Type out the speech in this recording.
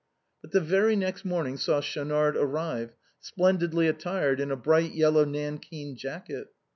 But the very next morning saw Schaunard aririve, splen didly attired in a bright yellow nankeen jacket.